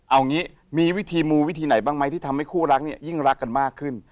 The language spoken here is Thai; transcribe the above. เอางี้มีวิธีมูวิธีไหนบ้างไหมที่ทำให้คู่รักเนี่ยยิ่งรักกันมากขึ้น